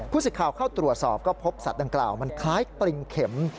สิทธิ์ข่าวเข้าตรวจสอบก็พบสัตว์ดังกล่าวมันคล้ายปริงเข็ม